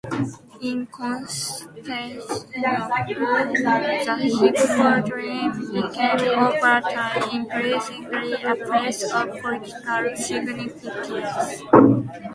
In Constantinople, the hippodrome became over time increasingly a place of political significance.